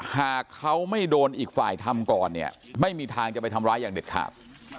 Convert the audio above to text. หากเขาไม่โดนอีกฝ่ายทำก่อนเนี่ยไม่มีทางจะไปทำร้ายอย่างเด็ดขาด